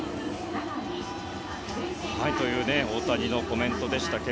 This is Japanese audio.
という大谷のコメントでしたが。